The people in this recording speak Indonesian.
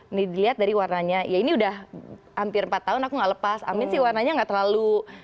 ini dilihat dari warnanya ya ini udah hampir empat tahun aku gak lepas amin sih warnanya nggak terlalu